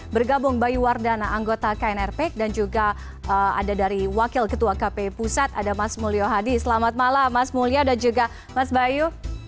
bergabung bayu wardana anggota knrp dan juga ada dari wakil ketua kpi pusat ada mas mulyo hadi selamat malam mas mulya dan juga mas bayu